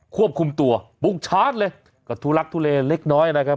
ควบคุมตัวบุกชาร์จเลยก็ทุลักทุเลเล็กน้อยนะครับ